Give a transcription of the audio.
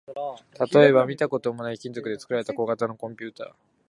例えば、見たこともない金属で作られた小型のコンピュータ